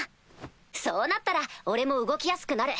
そうなったら俺も動きやすくなる。